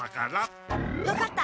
分かった。